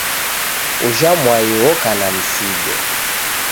Ujha mwai oka na msigo